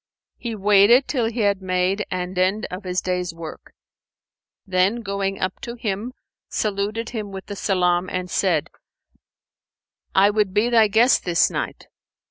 He waited till he had made and end of his day's work; then, going up to him, saluted him with the salam and said, "I would be thy guest this night."